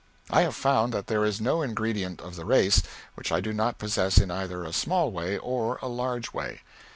I have found that then is no ingredient of the race which I do not possess in either a small way or a large way.